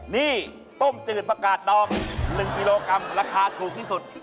นี่ต้มจืดประกาศดอม๑กิโลกรัมราคาถูกที่สุด